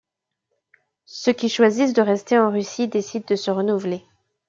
Ceux qui choisissent de rester en Russie décident de se renouveler.